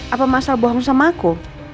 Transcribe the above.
apa masalah bohong sama aku